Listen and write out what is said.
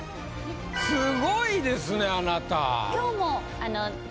すごいですねあなた。